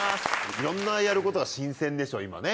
いろんなやることが新鮮でしょ今ね。